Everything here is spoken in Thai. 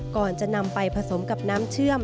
ก่อนจะนำไปผสมกับน้ำเชื่อม